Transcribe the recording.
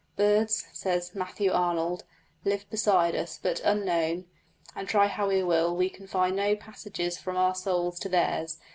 Birds, says Matthew Arnold, live beside us, but unknown, and try how we will we can find no passages from our souls to theirs.